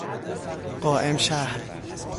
قائمشهر